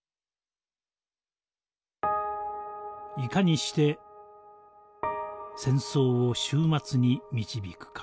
「如何にして戦争を終末に導くか。